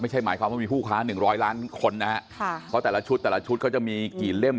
หมายความว่ามีผู้ค้าหนึ่งร้อยล้านคนนะฮะค่ะเพราะแต่ละชุดแต่ละชุดเขาจะมีกี่เล่ม